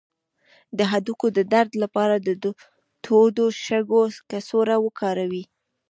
د هډوکو د درد لپاره د تودو شګو کڅوړه وکاروئ